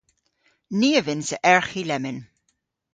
Ni a vynnsa erghi lemmyn.